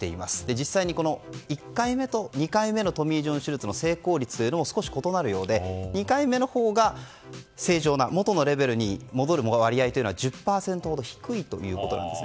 実際に、１回目と２回目のトミー・ジョン手術の成功率は少し異なるようで２回目のほうが正常なもとのレベルに戻る割合は１０％ほど低いということです。